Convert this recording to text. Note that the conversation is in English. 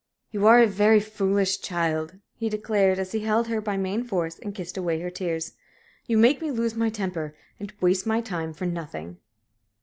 "You are a very foolish child," he declared, as he held her by main force and kissed away her tears. "You make me lose my temper and waste my time for nothing."